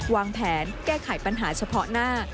วางแผนแก้ไขปัญหาเฉพาะหน้า